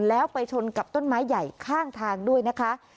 แล้วไปชนกับต้นไม้ใหญ่ข้างทางด้วยนะคะ